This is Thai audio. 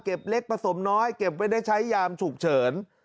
เล็กผสมน้อยเก็บไว้ได้ใช้ยามฉุกเฉิน